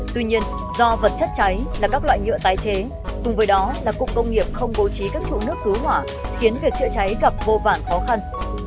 tuy nhiên do vật chất cháy là các loại nhựa tái chế cùng với đó là cụm công nghiệp không bố trí các trụ nước cứu hỏa khiến việc chữa cháy gặp vô vản khó khăn